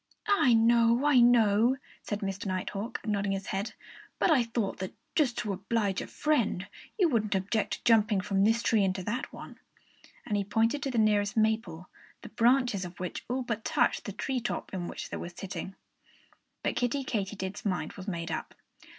"I know I know," said Mr. Nighthawk, nodding his head. "But I thought that just to oblige a friend you wouldn't object to jumping from this tree into that one." And he pointed to the nearest maple, the branches of which all but touched the tree top in which they were sitting. But Kiddie Katydid's mind was made up.